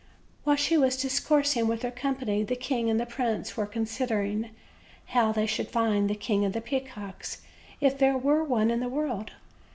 While she was discoursing with her company the king and the prince were considering how they should find the King of the Peacocks if there were one in the world.